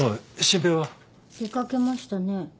出掛けましたね。